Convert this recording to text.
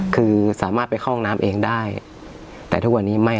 คือสามารถไปเข้าห้องน้ำเองได้แต่ทุกวันนี้ไม่